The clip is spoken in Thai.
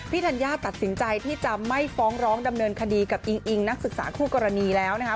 ธัญญาตัดสินใจที่จะไม่ฟ้องร้องดำเนินคดีกับอิงอิงนักศึกษาคู่กรณีแล้วนะคะ